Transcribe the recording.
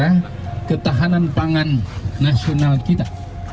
ini adalah bagian dari ketahanan pangan nasional kita